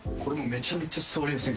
めちゃめちゃ座りやすい。